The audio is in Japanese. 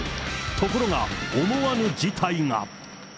ところが、思わぬ事態が。